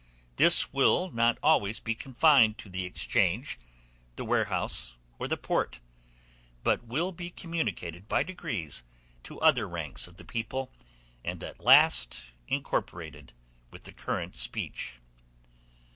This will not always be confined to the exchange, the warehouse, or the port, but will be communicated by degrees to other ranks of the people, and be at last incorporated with the current speech.